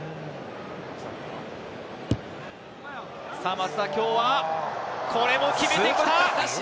松田、今日はこれも決めてきた！